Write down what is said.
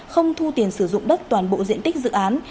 không thu tiền sử dụng đất toàn bộ diện tích dự án